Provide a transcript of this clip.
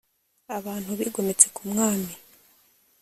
abantu bigometse ku mwami